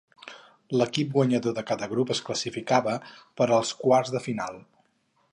L'equip guanyador de cada grup es classificava per als quarts de final.